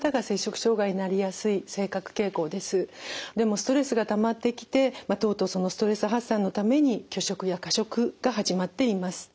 ストレスがたまってきてとうとうそのストレス発散のために拒食や過食が始まっています。